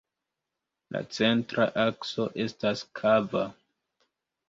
La centra akso estas kava.